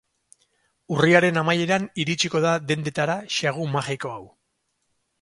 Urriaren amaieran iritsiko da dendetara sagu magiko hau.